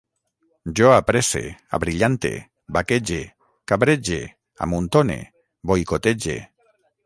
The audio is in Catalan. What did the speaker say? Jo apresse, abrillante, baquege, cabrege, amuntone, boicotege